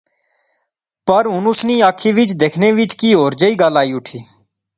پر ہن اس نی اکھی وچ دیکھنے وچ کی ہور جئی کل آئی اٹھی